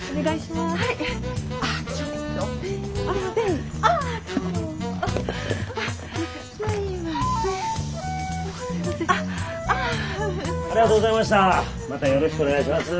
またよろしくお願いします。